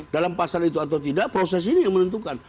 dalam pasal itu atau tidak proses ini yang menentukan